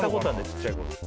ちっちゃいころ。